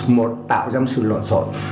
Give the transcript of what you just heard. một tạo ra một sự lộn xộn